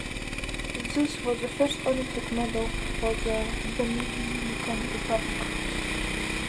This was the first Olympic medal of the Dominican Republic.